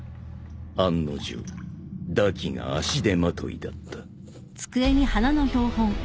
案の定堕姫が足手まといだった。